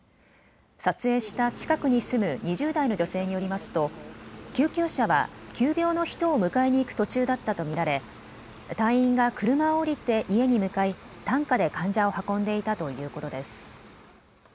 撮影した近くに住む２０代の女性によりますと救急車は急病の人を迎えに行く途中だったと見られ隊員が車を降りて家に向かい担架で患者を運んでいたということです。